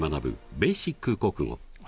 「ベーシック国語」。